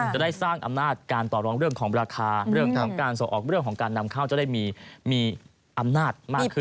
จะได้สร้างอำนาจการต่อรองเรื่องของราคาเรื่องของการส่งออกเรื่องของการนำเข้าจะได้มีอำนาจมากขึ้น